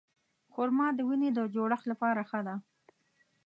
خرما د وینې د جوړښت لپاره ښه ده.